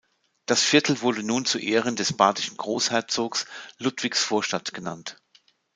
Das Viertel wurde nun zu Ehren des badischen Großherzogs "Ludwigsvorstadt" genannt.